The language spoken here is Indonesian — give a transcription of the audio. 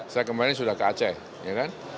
saya kemarin sudah ke aceh ya kan